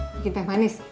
bikin teh manis